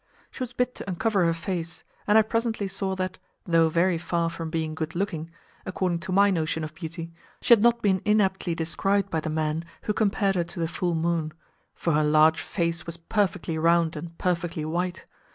She was bid to uncover her face, and I presently saw that, though very far from being good looking, according to my notion of beauty, she had not been inaptly described by the man who compared her to the full moon, for her large face was perfectly round and perfectly white.